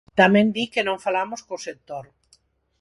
Tamén di que non falamos co sector.